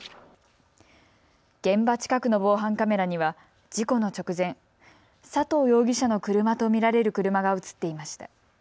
現場近くの防犯カメラには事故の直前、佐藤容疑者の車と見られる車が映っていました。